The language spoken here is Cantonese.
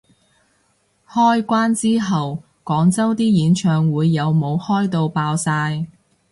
開關之後廣州啲演唱會有冇開到爆晒